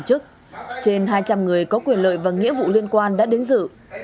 chức trên hai trăm linh người có quyền lợi và nghĩa vụ liên quan đã đến dự